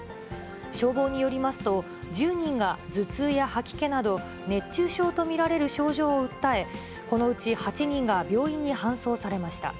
消防によりますと、１０人が頭痛や吐き気など、熱中症と見られる症状を訴え、このうち８人が病院に搬送されました。